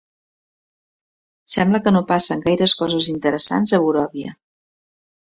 Sembla que no passen gaires coses interessants a Boròvia.